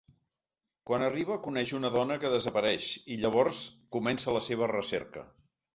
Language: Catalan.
Quan arriba coneix una dona que desapareix i llavors comença la seva recerca.